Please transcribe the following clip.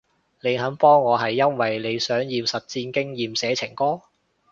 你肯幫我係因為你想要實戰經驗寫情歌？